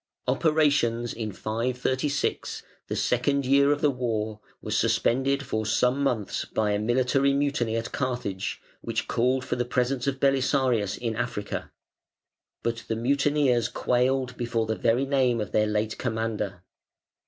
Operations in 536, the second year of the war, were suspended for some months by a military mutiny at Carthage, which called for the presence of Belisarius in Africa. But the mutineers quailed before the very name of their late commander.